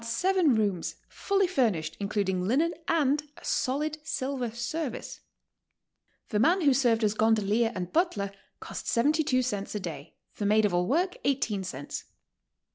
J seven rooms, fully furnished including linen and a solid silver service. The man who served as gondolier and butler cost 72 cents a day; the maid of all work, 18 cents.